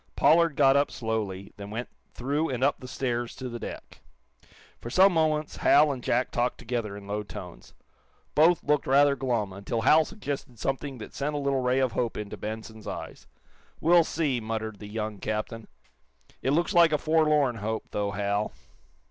Pollard got up slowly, then went through and up the stairs to the deck. For some moments Hal and Jack talked together, in low tones. Both looked rather glum, until Hal suggested something that sent a little ray of hope into Benson's eyes. "We'll see," muttered the young captain. "It looks like a forlorn hope, though, Hal."